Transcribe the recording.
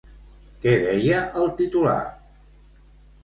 Què deia el titular?